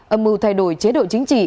âm mưu thay đổi chế độ chính trị